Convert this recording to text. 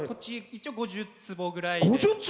一応、５０坪ぐらいで。